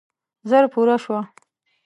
ژر پوره شوه.